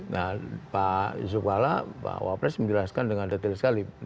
nah pak zuballa pak wapres menjelaskan dengan detail sekali